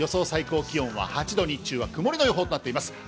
最高気温は８度、日中は曇りの予想となっております。